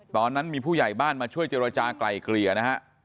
ตอนนั้นมีผู้ใหญ่บ้านมาช่วยเจรจากลายเกลี่ยนะฮะ